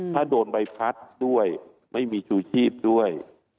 ถ้าโดนใบพัดด้วยไม่มีชูชีพด้วย